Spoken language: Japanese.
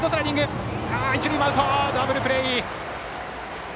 しかし一塁もアウトダブルプレー！